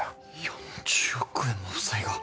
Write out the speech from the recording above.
４０億円も負債が？